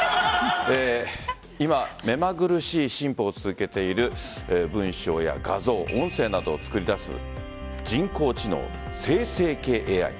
今、目まぐるしい進歩を続けている文章や画像、音声などを作り出す人工知能、生成系ＡＩ。